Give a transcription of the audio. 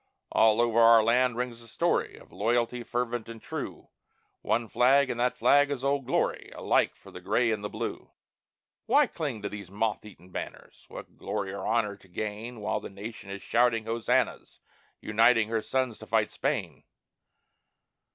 All over our land rings the story Of loyalty, fervent and true; "One flag," and that flag is "Old Glory," Alike for the Gray and the Blue. Why cling to those moth eaten banners? What glory or honor to gain While the nation is shouting hosannas, Uniting her sons to fight Spain?